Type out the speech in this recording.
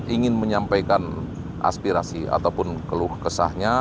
ingin menyampaikan aspirasi ataupun keluh kesahnya